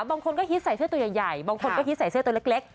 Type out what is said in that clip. บางคนก็ฮิตใส่เสื้อตัวใหญ่บางคนก็ฮิตใส่เสื้อตัวเล็ก